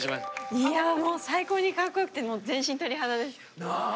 いやもう最高にかっこよくて全身鳥肌です。